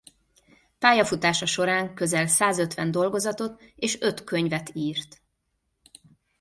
Pályafutása során közel százötven dolgozatot és öt könyvet írt.